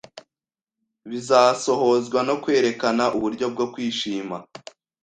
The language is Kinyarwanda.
bizasohozwa no kwerekana uburyo bwo kwishima